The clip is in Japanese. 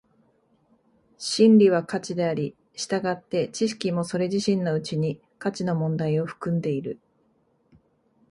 真理は価値であり、従って知識もそれ自身のうちに価値の問題を含んでいる。